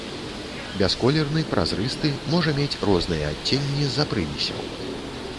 Бясколерны, празрысты, можа мець розныя адценні з-за прымесяў.